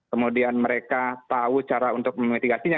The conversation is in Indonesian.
kemudian mereka tahu cara untuk memitigasinya